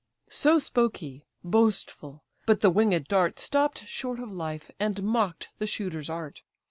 So spoke he, boastful: but the winged dart Stopp'd short of life, and mock'd the shooter's art.